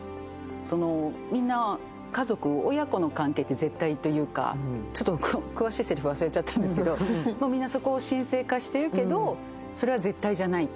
みんな家族、親子の関係って絶対じゃないというか詳しいせりふは忘れちゃったんですけど、もうみんなそこを神聖化しているけど、それは絶対じゃないと。